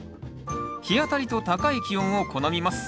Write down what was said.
日当たりと高い気温を好みます。